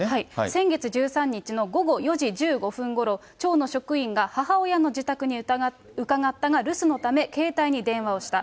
先月１３日の午後４時１５分ごろ、町の職員が、母親の自宅に伺ったが、留守のため、携帯に電話をした。